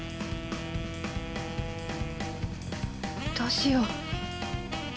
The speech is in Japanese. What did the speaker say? どうしよう。